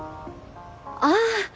ああ。